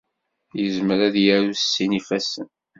Yezmer ad yaru s sin n yifassen.